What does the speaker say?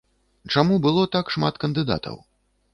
Чаму было так шмат кандыдатаў?